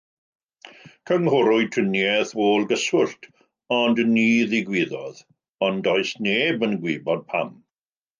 Cynghorwyd triniaeth ôl gyswllt ond ni ddigwyddodd, ond does neb yn gwybod pam.